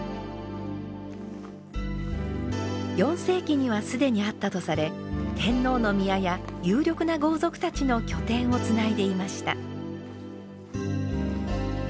４世紀には既にあったとされ天皇の宮や有力な豪族たちの拠点をつないでいました。